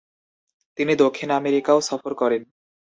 তিনি দক্ষিণ আমেরিকাও সফর করেন।